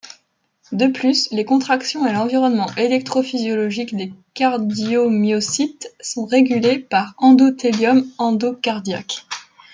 De plus, les contractions et l'environnement électrophysiologique des cardiomyocytes sont régulés par endothélium endocardiaque.